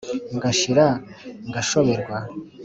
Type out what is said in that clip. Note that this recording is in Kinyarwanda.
ngashira ngashoberwa